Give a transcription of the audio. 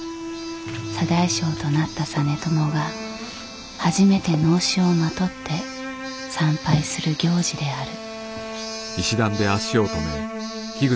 左大将となった実朝が初めて直衣をまとって参拝する行事である。